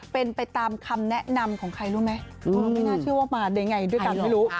เป็นไปตามคำแนะนำของใครรู้ไหมไม่น่าเชื่อว่ามาได้ไงด้วยกันไม่รู้